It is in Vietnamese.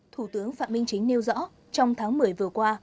thủ tướng phạm minh chính nêu rõ trong tháng một mươi vừa qua